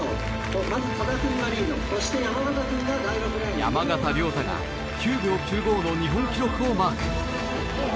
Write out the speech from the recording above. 山縣亮太が９秒９５の日本記録をマーク。